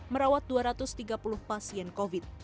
merawat dua ratus tiga puluh pasien covid